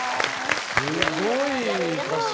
すごい歌詞。